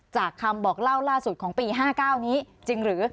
จากคำบอกเล่าล่าสุดของปี๕๙นี้จริงหรือ